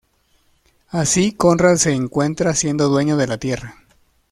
Así Conrad se encuentra siendo dueño de la Tierra.